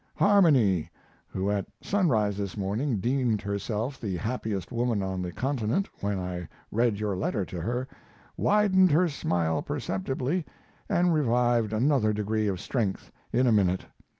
Harmony, who at sunrise this morning deemed herself the happiest woman on the Continent when I read your letter to her, widened her smile perceptibly, and revived another degree of strength in a minute.